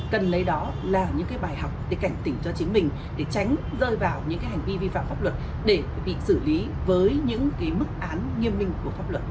cần lấy đó là những bài học để cảnh tỉnh cho chính mình để tránh rơi vào những hành vi vi phạm pháp luật để bị xử lý với những mức án nghiêm minh của pháp luật